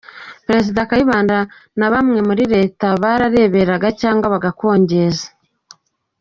Perezida Kayibanda na bamwe muri Leta barareberega cyangwa bagakongeza.